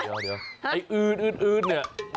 มาเร็ว